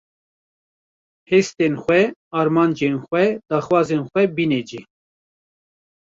hestên xwe, armancên xwe, daxwazên xwe bîne cî.